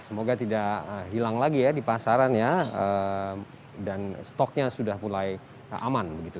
semoga tidak hilang lagi ya di pasarannya dan stoknya sudah mulai aman begitu